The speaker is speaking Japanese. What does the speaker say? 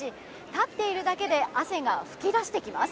立っているだけで汗が噴き出してきます。